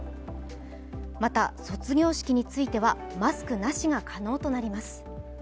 また、卒業式についてはマスクなしが可能となります。